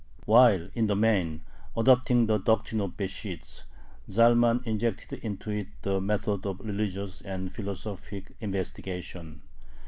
" While in the main adopting the doctrine of Besht, Zalman injected into it the method of religious and philosophic investigation.